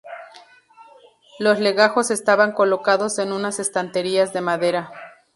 Los legajos estaban colocados en unas estanterías de madera.